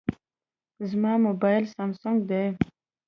زما موبایل سامسونګ دی.